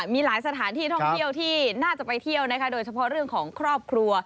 มีหลายสถานที่ท่องเที่ยวที่น่าจะไปเที่ยวนะคะโดยเฉพาะเรื่องของครอบครัว